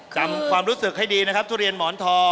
ความรู้สึกให้ดีนะครับทุเรียนหมอนทอง